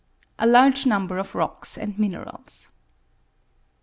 A large number of rocks and minerals.